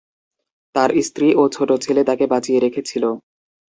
তার স্ত্রী ও ছোট ছেলে তাকে বাঁচিয়ে রেখেছিল।